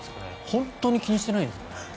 本当に気にしていないんですかね。